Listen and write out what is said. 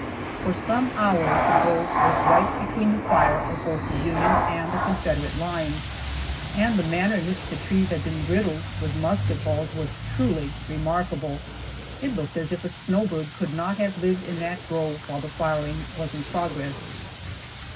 For some hours the grove was right between the fire of both the Union and the Confederate lines, and the manner in which the trees had been riddled with musket balls was truly remarkable. It looked as if a snowbird could not have lived in that grove while the firing was in progress.